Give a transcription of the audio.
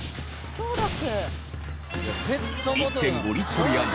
そうだっけ？